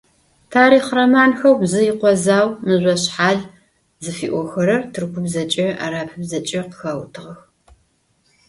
Tarixh romanxeu «Bzıikho zau», «Mızjoşshal» zıfi'oxerer tırkubzeç'e, arapıbzeç'e khıxautığex.